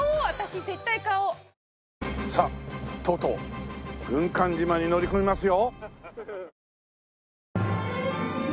さあとうとう軍艦島に乗り込みますよ。